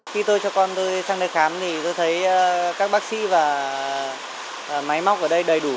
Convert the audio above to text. khi tôi cho con tôi sang đây khám thì tôi thấy các bác sĩ và máy móc ở đây đầy đủ